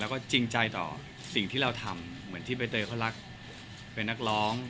แล้วก็จริงใจต่อสิ่งที่เราทำเหมือนที่ใบเตยเขารักเป็นนักร้อง